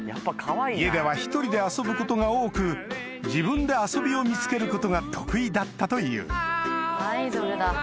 家では１人で遊ぶことが多く自分で遊びを見つけることが得意だったというアイドルだ